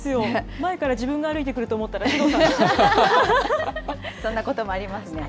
前から自分が歩いてくると思ったら首藤さんでした。ありますね。